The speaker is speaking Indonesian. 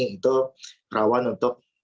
itu rawan untuk